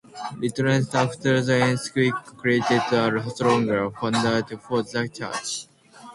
Restoration after the earthquake created a stronger foundation for the church.